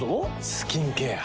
スキンケア。